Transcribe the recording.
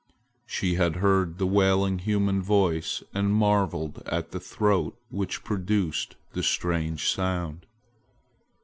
She had heard the wailing human voice and marveled at the throat which produced the strange sound.